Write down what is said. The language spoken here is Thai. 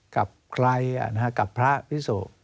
กับใครกับพระพิสุ